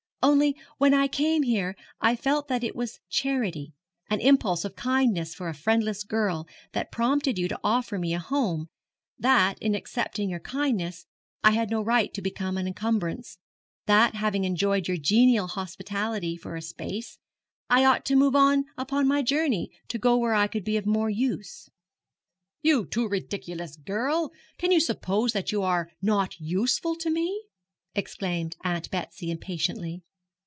Only, when I came here, I felt that it was charity an impulse of kindness for a friendless girl that prompted you to offer me a home; that, in accepting your kindness, I had no right to become an encumbrance; that, having enjoyed your genial hospitality for a space, I ought to move on upon my journey, to go where I could be of more use.' 'You too ridiculous girl, can you suppose that you are not useful to me?' exclaimed Aunt Betsy, impatiently.